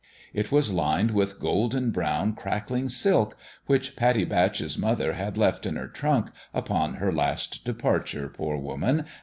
It was lined with golden brown, crackling silk, which Pattie Batch's mother had left in her trunk, upon her last departure, poor woman